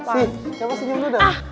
si siapa senyum dulu dong